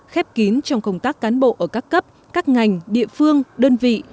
khép kín trong công tác cán bộ ở các cấp các ngành địa phương đơn vị